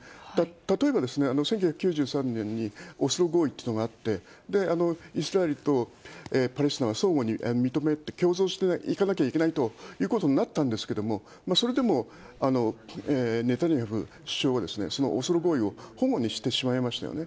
例えば１９９３年にオスロ合意っていうのがあって、イスラエルとパレスチナは相互に認めて、共存していかなきゃいけないということになったんですけれども、それでもネタニヤフ首相は、そのオスロ合意をほごにしてしまいましたよね。